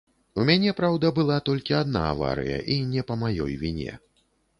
У мяне, праўда, была толькі адна аварыя і не па маёй віне.